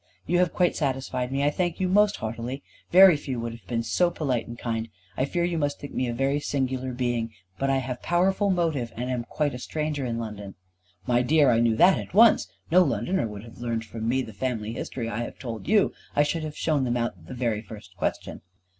"You have quite satisfied me. I thank you most heartily. Very few would have been so polite and kind. I fear you must think me a very singular being. But I have powerful motive, and am quite a stranger in London." "My dear, I knew that at once. No Londoner would have learned from me the family history I have told you. I should have shown them out at the very first question.